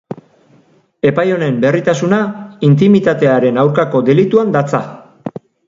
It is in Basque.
Epai honen berritasuna intimitatearen aurkako delituan datza.